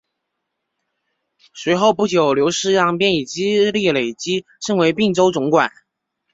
随后不久刘世让便以资历累积升为并州总管。